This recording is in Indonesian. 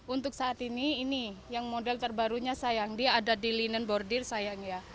untuk saat ini ini yang model terbarunya sayang dia ada di linen bordir sayang ya